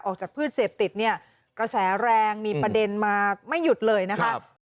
พืชเสพติดเนี่ยกระแสแรงมีประเด็นมาไม่หยุดเลยนะคะ